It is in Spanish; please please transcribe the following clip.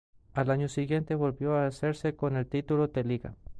Al año siguiente volvió a hacerse con el título de liga.